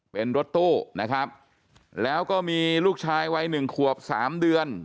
เป็นรถตู้นะครับแล้วก็มีลูกชายวัยหนึ่งขวบสามเดือน